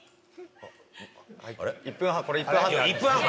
１分半これ１分半。